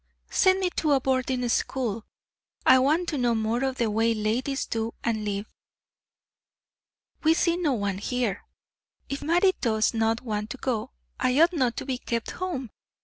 "Send me to boarding school. I want to know more of the way ladies do and live. We see no one here. If Mattie does not want to go, I ought not to be kept home.